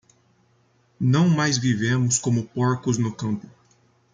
Não mais vivemos como porcos no campo.